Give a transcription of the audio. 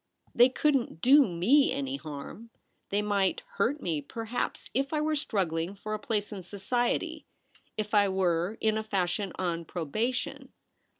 They couldn't do me any harm. They might hurt me, perhaps, if I were struggling for a place in society — if I were, in a fashion, on probation.